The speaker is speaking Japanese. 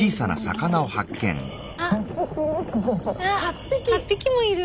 ８匹もいる！